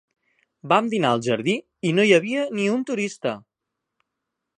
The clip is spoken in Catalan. Vam dinar al jardí i no hi havia ni un turista!